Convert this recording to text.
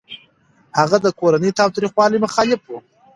هغه د کورني تاوتريخوالي مخالف و.